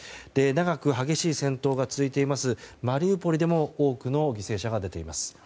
長く激しい戦闘が続いているマリウポリでも多くの犠牲者が出ています。